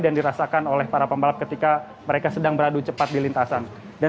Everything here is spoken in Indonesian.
dan dirasakan oleh para pembalap ketika mereka sedang beradu cepat di lintasan